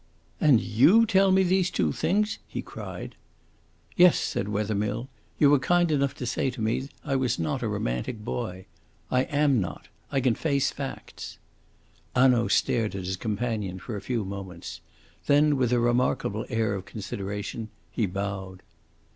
"And YOU tell me these two things!" he cried. "Yes," said Wethermill. "You were kind enough to say to me I was not a romantic boy. I am not. I can face facts." Hanaud stared at his companion for a few moments. Then, with a remarkable air of consideration, he bowed.